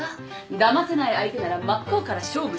だませない相手なら真っ向から勝負するまで。